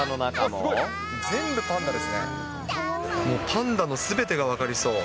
もうパンダのすべてが分かりそう。